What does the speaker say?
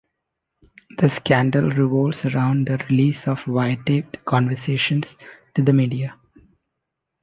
The scandal revolves around the release of wiretapped conversations to the media.